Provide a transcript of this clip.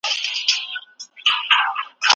ارغنداب سیند د خلکو په ژوند کې مهم رول لري.